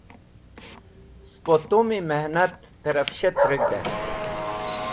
Spo tumi mehnat tẽrafshat reg̃hdẽ.